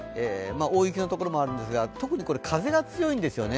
大雪の所もあるんですが特に風が強いんですよね。